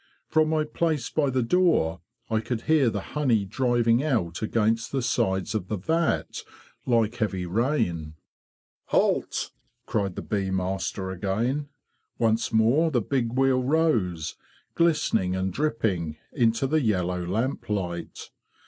From my place by the door I could hear the honey driving out against the sides of the vat like heavy rain. Halt!'' cried the bee master again. Once more the big wheel rose, glistening and dripping, into the yellow lamplight.